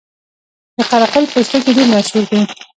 د قره قل پوستکي ډیر مشهور دي